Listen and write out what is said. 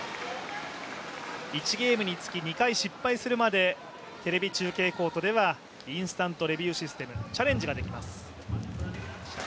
１ゲームにつき２回失敗するまでテレビ中継コートではインスタントレビューシステムチャレンジができます。